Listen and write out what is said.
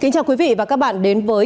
kính chào quý vị và các bạn đến với